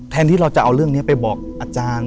ที่เราจะเอาเรื่องนี้ไปบอกอาจารย์